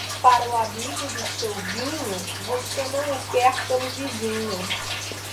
Para o amigo do seu vinho você não o quer pelo vizinho.